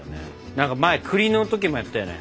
何か前クリの時もやったよね。